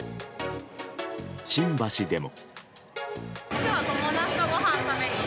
新橋でも。